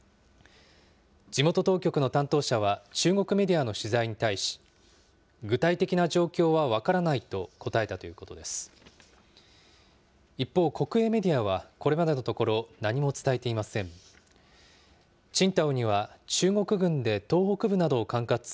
地元当局の担当者は、中国メディアの取材に対し、具体的な状況は分からないと答えたということです。